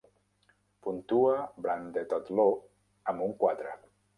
Puntua Branded Outlaw amb un quatre